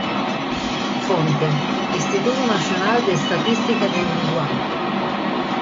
Fonte: "Instituto Nacional de Estadística de Uruguay"